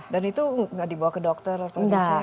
dan itu nggak dibawa ke dokter atau dicek